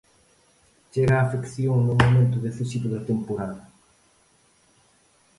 Chega a afección no momento decisivo da temporada.